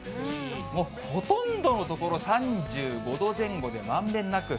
もうほとんどの所、３５度前後で、まんべんなく。